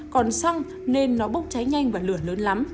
còn xăng nên nó bốc cháy nhanh và lửa lớn lắm